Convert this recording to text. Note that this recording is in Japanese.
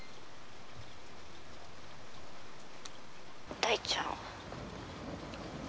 ☎大ちゃん？